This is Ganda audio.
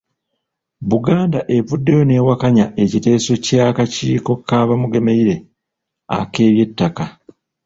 Buganda evuddeyo n'ewakanya ekiteeso ky’akakiiko ka Bamugemereire ak'eby'ettaka.